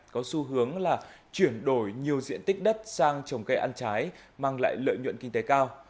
có xu hướng là chuyển đổi nhiều diện tích đất sang trồng cây ăn trái mang lại lợi nhuận kinh tế cao